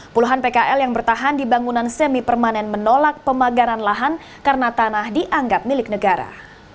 puluhan pkl yang bertahan di bangunan semi permanen menolak pemagaran lahan karena tanah dianggap milik negara